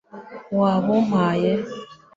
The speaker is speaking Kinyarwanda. wabumpaye